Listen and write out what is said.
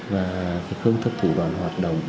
và hướng thức thủ đoàn hoạt động